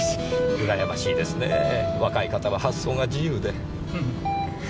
うらやましいですねぇ若い方は発想が自由で。